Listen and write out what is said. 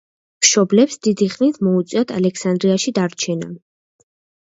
მშობლებს დიდი ხნით მოუწიათ ალექსანდრიაში დარჩენა.